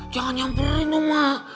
jangan nyamperin ma